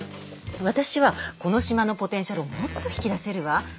私はこの島のポテンシャルをもっと引き出せるわ。